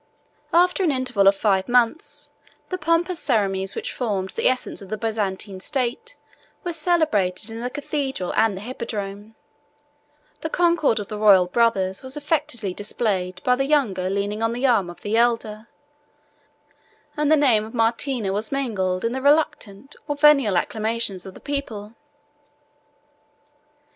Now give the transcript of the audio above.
After an interval of five months, the pompous ceremonies which formed the essence of the Byzantine state were celebrated in the cathedral and the hippodrome; the concord of the royal brothers was affectedly displayed by the younger leaning on the arm of the elder; and the name of Martina was mingled in the reluctant or venal acclamations of the people.